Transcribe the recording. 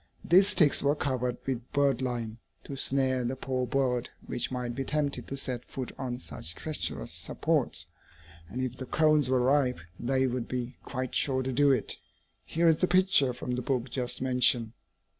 These sticks were covered with birdlime, to snare the poor bird which might be tempted to set foot on such treacherous supports; and if the cones were ripe, they would be quite sure to do it. Here is the picture, from the book just mentioned.